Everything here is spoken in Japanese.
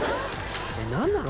何なの？